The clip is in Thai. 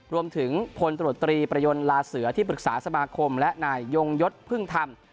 พลตรวจตรีประยนต์ลาเสือที่ปรึกษาสมาคมและนายยงยศพึ่งธรรม